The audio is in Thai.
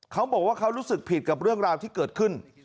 เขาบอกว่าเขารู้สึกผิดกับเรื่องราวที่เกิดขึ้น